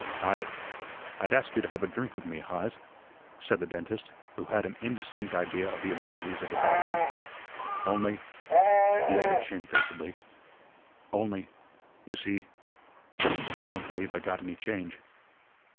"I'd I'd ask you to have a drink with me, Heise," said the dentist, who had an indistinct idea of the amenities of the barroom, "only," he added shamefacedly, "only you see, I don't believe I got any change."